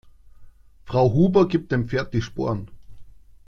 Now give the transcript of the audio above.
Frau Huber gibt dem Pferd die Sporen.